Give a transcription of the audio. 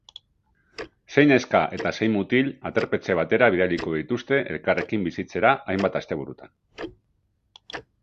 Sei neska eta sei mutil aterpetxe batera bidaliko dituzte elkarrekin bizitzera hainbat asteburutan.